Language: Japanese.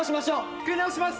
作り直します！